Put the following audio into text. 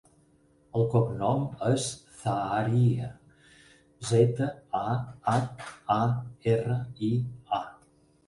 El cognom és Zaharia: zeta, a, hac, a, erra, i, a.